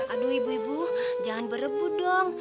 aduh ibu ibu jangan berebut dong